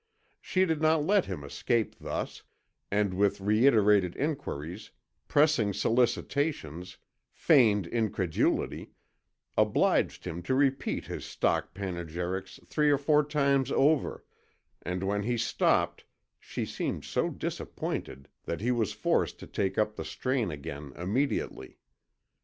She did not let him escape thus, and with reiterated enquiries, pressing solicitations, feigned incredulity, obliged him to repeat his stock panegyrics three or four times over, and when he stopped she seemed so disappointed that he was forced to take up the strain again immediately.